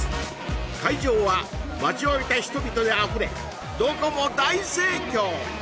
会場は待ちわびた人々であふれどこも大盛況！